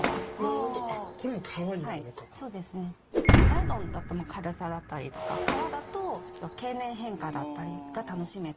ナイロンだと軽さだったりとか革だと経年変化だったりが楽しめたり。